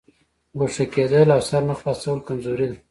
ګوښه کېدل او سر نه خلاصول کمزوري ده.